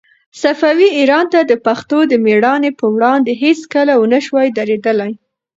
صفوي ایران د پښتنو د مېړانې په وړاندې هيڅکله ونه شوای درېدلای.